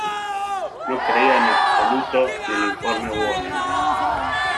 No creía en absoluto en el Informe Warren.